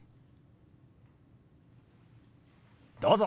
どうぞ。